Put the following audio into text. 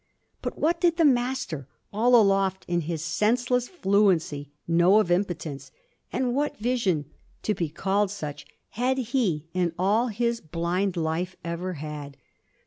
But what did the Master, all aloft in his senseless fluency, know of impotence, and what vision to be called such had he in all his blind life ever had?